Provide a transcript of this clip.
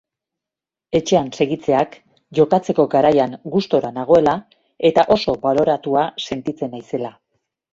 Etxean segitzeak, jokatzeko garaian gustora nagoela eta oso baloratua sentitzen naizela.